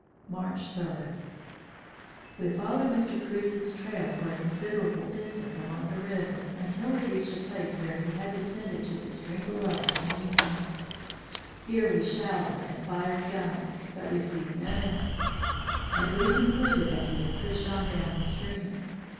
"March 3. We followed Mr. Preuss's trail for a considerable distance along the river, until we reached a place where he had descended to the stream below and encamped. Here we shouted and fired guns, but received no answer; and we concluded that he had pushed on down the stream.